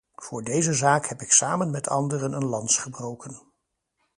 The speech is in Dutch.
Voor deze zaak heb ik samen met anderen een lans gebroken.